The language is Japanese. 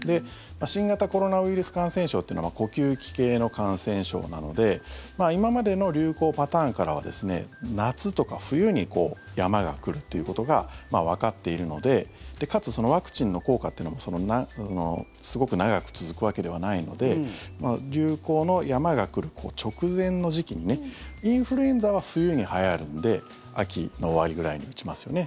新型コロナウイルス感染症っていうのは呼吸器系の感染症なので今までの流行パターンからは夏とか冬に山が来るということがわかっているのでかつそのワクチンの効果っていうのもすごく長く続くわけではないので流行の山が来る直前の時期にインフルエンザは冬に、はやるので秋の終わりぐらいに打ちますよね。